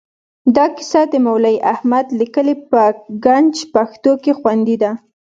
دا کیسه د مولوي احمد لیکلې په ګنج پښتو کې خوندي ده.